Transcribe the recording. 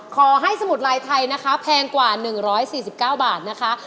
ขอให้สมุดลายไทยนะคะแพงกว่า๑๔๙บาทนะคะ